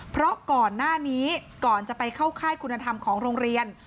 เพราะก่อนหน้านี้ก่อนจะไปเข้าค่ายคุณธรรมของโรงเรียน